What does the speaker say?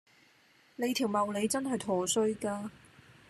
你條茂利真係陀衰家